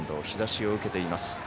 日ざしを受けています。